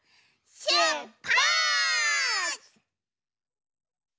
しゅっぱつ！